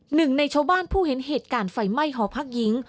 หนึ่งในชาวบ้านผู้เห็นเหตุการณ์ไฟไหม้หอพักหญิง